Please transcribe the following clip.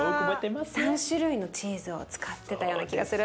３種類のチーズを使ってたような気がする。